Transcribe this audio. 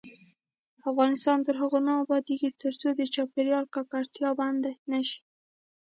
افغانستان تر هغو نه ابادیږي، ترڅو د چاپیریال ککړتیا بنده نشي.